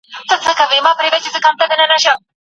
له مرکز ګرمۍ څخه ورو ورو ګرم تاو پورته کېږي.